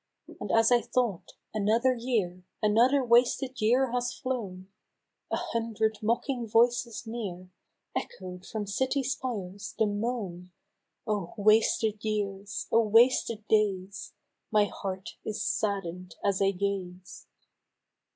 And as I thought " Another year, Another wasted year has flown," A hundred mocking voices near Echo'd from city spires the moan, " Oh ! wasted years ! oh ! wasted days ! My heart is sadden'd as I gaze